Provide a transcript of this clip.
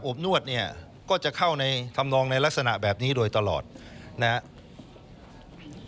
บนวดเนี่ยก็จะเข้าในธรรมนองในลักษณะแบบนี้โดยตลอดนะครับ